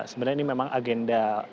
sebenarnya ini memang agenda